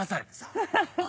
ハハハ。